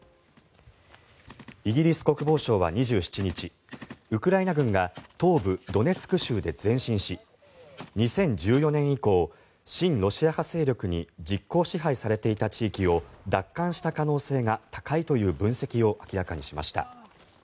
イギリス国防省は２７日ウクライナ軍が東部ドネツク州で前進し２０１４年以降親ロシア派勢力に実効支配されていた地域を奪還した可能性が高いという分析を明らかにしました。